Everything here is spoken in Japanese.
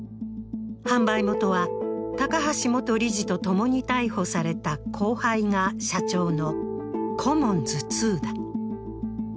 販売元は、高橋元理事と共に逮捕された後輩が社長のコモンズ２だ。